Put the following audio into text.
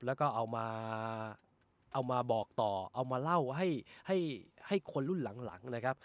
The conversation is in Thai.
แล้วก็เอามาบอกต่อเอามาเล่าให้คนรุ่นหลังนะครับ